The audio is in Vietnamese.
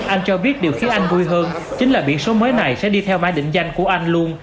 anh cho biết điều khiến anh vui hơn chính là biển số mới này sẽ đi theo máy định danh của anh luôn